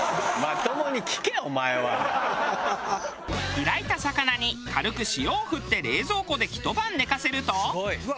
開いた魚に軽く塩を振って冷蔵庫でひと晩寝かせると。